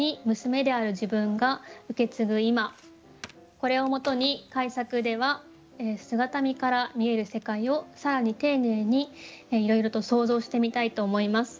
これを元に改作では姿見から見える世界を更に丁寧にいろいろと想像してみたいと思います。